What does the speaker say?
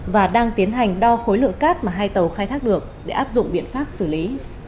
và đang tiến hành đo khối lượng cát mà hai tàu khai thác được để áp dụng biện pháp xử lý